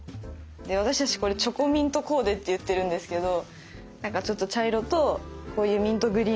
で私たちこれチョコミントコーデって言ってるんですけどなんかちょっと茶色とこういうミントグリーンを合わせるとか。